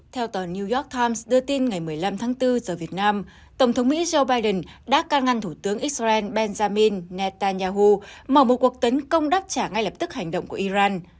theo tờ new york times đưa tin ngày một mươi năm tháng bốn giờ việt nam tổng thống mỹ joe biden đã can ngăn thủ tướng israel benjamin netanyahu mở một cuộc tấn công đáp trả ngay lập tức hành động của iran